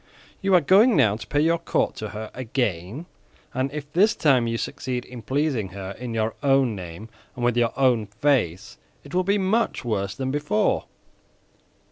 You are going now to pay your court to her again, and if this time you succeed in pleasing her in your own name and with your own face, it will be much worse than before."